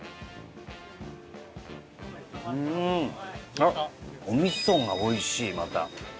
あっお味噌がおいしいまた。